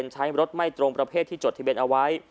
ใช้รถไม่ตรงประเภทที่จดทะเบียนเอาไว้